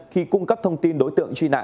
khi cung cấp thông tin đối tượng truy nã